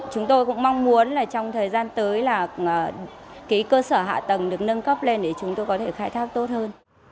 chúng tôi cũng mong muốn trong thời gian tới cơ sở hạ tầng được nâng cấp lên để chúng tôi có thể khai thác tốt hơn